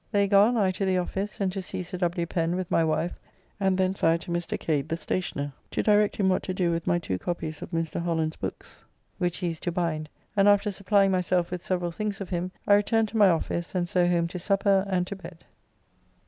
They gone I to the office, and to see Sir W. Pen, with my wife, and thence I to Mr. Cade the stationer, to direct him what to do with my two copies of Mr. Holland's books which he is to bind, and after supplying myself with several things of him, I returned to my office, and so home to supper and to bed.